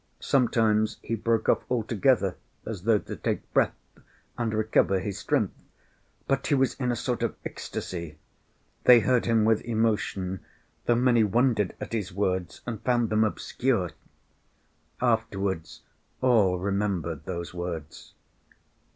Sometimes he broke off altogether, as though to take breath, and recover his strength, but he was in a sort of ecstasy. They heard him with emotion, though many wondered at his words and found them obscure.... Afterwards all remembered those words.